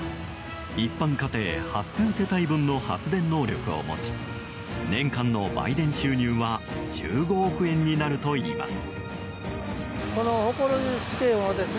一般家庭８０００世帯分の発電能力を持ち年間の売電収入は１５億円になるといいます。